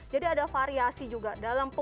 jadi ada variasi juga